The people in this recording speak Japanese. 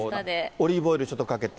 オリーブオイル、ちょっとかけて。